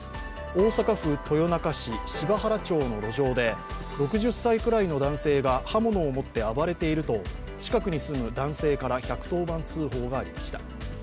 大阪府豊中市路上の前で６０歳くらいの男性が刃物を持って暴れていると、近くに住む男性から１１０番通報がありました。